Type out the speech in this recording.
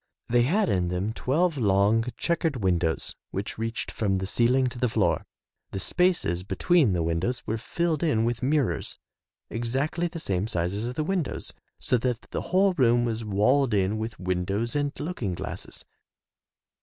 They had in them twelve long, checkered windows which reached from the ceiling to the floor. The spaces between the windows were filled in with mirrors exactly the same size as the windows, so that the whole room was walled in with windows and looking glasses.